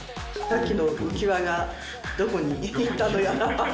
さっきの浮輪がどこに行ったのやら。